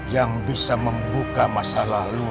yang bisa membuka masa lalu